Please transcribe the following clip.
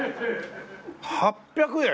８００円？